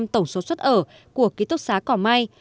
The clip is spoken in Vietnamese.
hai mươi tổng số xuất ở của ký thúc xá cỏ mai